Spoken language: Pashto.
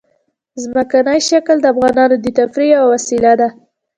ځمکنی شکل د افغانانو د تفریح یوه وسیله ده.